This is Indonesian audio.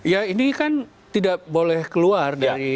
ya ini kan tidak boleh keluar dari